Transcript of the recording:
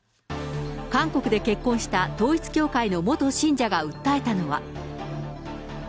韓国で結婚した、統一教会の元信者が訴えたのは。